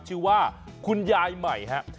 ชื่อว่าคุณยายใหม่ฮะ